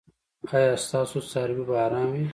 ایا ستاسو څاروي به ارام وي؟